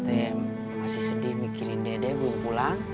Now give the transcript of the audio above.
saya masih sedih mikirin dede belum pulang